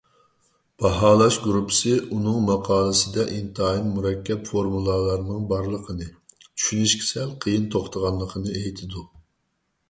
باھالاش گۇرۇپپىسى ئۇنىڭ ماقالىسىدە ئىنتايىن مۇرەككەپ فورمۇلالارنىڭ بارلىقىنى، چۈشىنىشكە سەل قىيىن توختىغانلىقىنى ئېيتىدۇ.